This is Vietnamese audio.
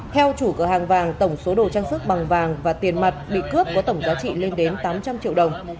theo chủ cửa hàng vàng tổng số đồ trang sức bằng vàng và tiền mặt bị cướp có tổng giá trị lên đến tám trăm linh triệu đồng